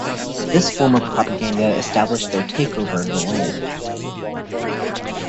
This form of propaganda established their takeover of the land.